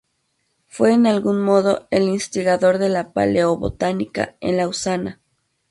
Fue en algún modo el instigador de la paleobotánica en Lausana.